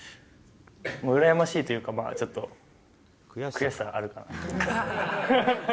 羨ましいというか、ちょっと悔しさがあるかな。